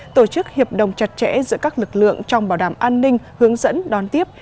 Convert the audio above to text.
tổ chức hiệp đồng chặt chẽ giữa các lực lượng trong bảo đảm an ninh hướng dẫn đón tiếp